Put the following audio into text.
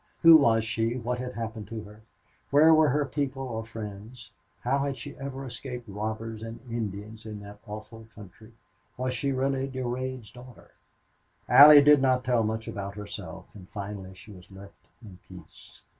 Who was she, what had happened to her, where were her people or friends? How had she ever escaped robbers and Indians in that awful country? Was she really Durade's daughter? Allie did not tell much about herself, and finally she was left in peace.